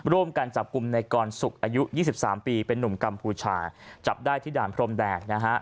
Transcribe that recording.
ร่วมกันจับกลุ่มในกรสุกอายุ๒๓ปีเป็นนุ่มกัมพูชาจับได้ที่ด่านพรมแดนนะฮะ